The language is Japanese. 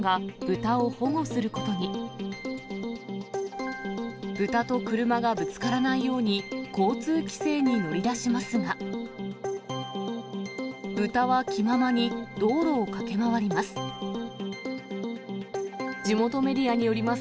豚と車がぶつからないように交通規制に乗り出しますが、豚は気ままに道路を駆け回ります。